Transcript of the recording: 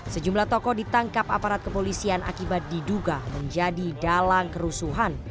sejumlah tokoh ditangkap aparat kepolisian akibat diduga menjadi dalang kerusuhan